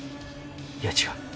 いや違う！